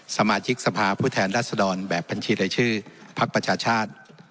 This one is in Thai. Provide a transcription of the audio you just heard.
สมาชิกสภาพผู้แทนรัศดรแบบบัญชีรายชื่อพักประชาชาติ